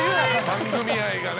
番組愛がね。